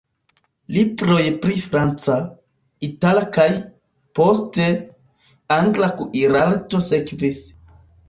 Libroj pri franca, itala kaj, poste, angla kuirarto sekvis.